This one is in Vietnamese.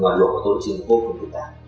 có hai trường hợp nữa